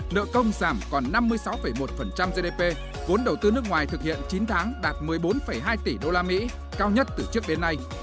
nợ công giảm còn năm mươi sáu một gdp vốn đầu tư nước ngoài thực hiện chín tháng đạt một mươi bốn hai tỷ usd cao nhất từ trước đến nay